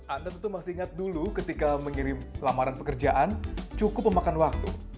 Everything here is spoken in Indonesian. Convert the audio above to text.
anda tentu masih ingat dulu ketika mengirim lamaran pekerjaan cukup memakan waktu